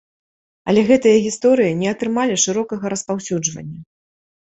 Але гэтыя гісторыі не атрымалі шырокага распаўсюджвання.